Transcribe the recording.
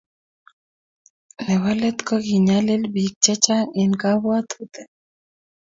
Nebo let ko kikonyalil bik chechang eng kabwatutik